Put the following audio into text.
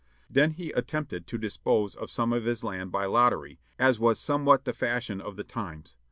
Then he attempted to dispose of some of his land by lottery, as was somewhat the fashion of the times.